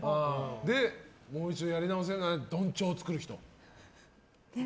で、もう一度やり直せるならどん帳を作る人。